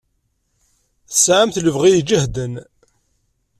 Tesɛamt lebɣi ijehden.